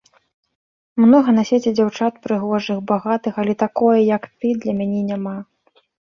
Многа на свеце дзяўчат прыгожых, багатых, але такое, як ты, для мяне няма.